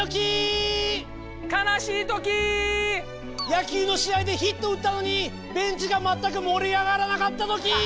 野球の試合でヒットを打ったのにベンチが全く盛り上がらなかったときー！